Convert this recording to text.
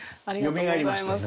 よみがえりますね。